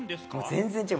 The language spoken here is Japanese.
全然違う。